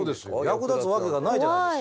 役立つわけがないじゃないですか。